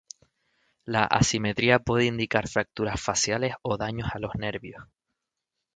La asimetría puede indicar fracturas faciales o daños a los nervios.